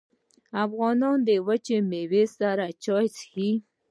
افغانان د وچې میوې سره چای څښي.